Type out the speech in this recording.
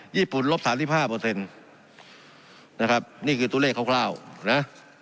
ญี่ปุ่นลบสามสิบห้าเปอร์เซ็นต์นะครับนี่คือตู้เลขคร่าวคร่าวนะ